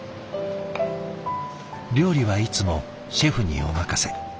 料理はいつもシェフにお任せ。